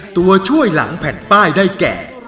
ตัวช่วยหลังแผ่นป้ายได้แก่